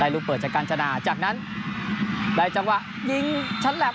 รุ่นเปิดจัดการชนะจากนั้นได้จังหวะยิงชั้นแลพ